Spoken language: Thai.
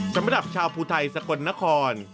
สำหรับชาวภูไทยสกลนคร